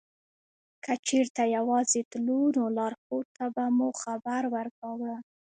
که چېرته یوازې تلو نو لارښود ته به مو خبر ورکاوه.